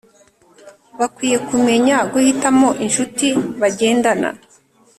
Bakwiye kumenya guhitamo inshuti bagendana,